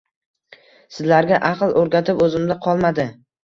Sizlarga aql o`rgatib o`zimda qolmadi